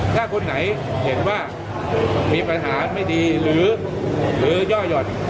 ถ้าคนไหนเห็นว่ามีปัญหาไม่ดีหรือย่อหย่อน